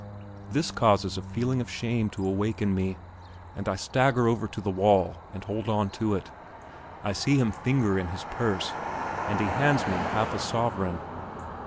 This causes a feeling of shame to awake in me, and I stagger over to the wall and hold on to it. I see him finger in his purse, and he hands me half a sovereign.